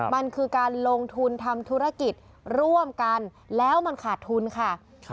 มันคือการลงทุนทำธุรกิจร่วมกันแล้วมันขาดทุนค่ะ